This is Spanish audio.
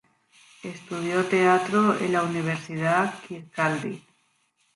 Estudió teatro en la universidad Kirkcaldy.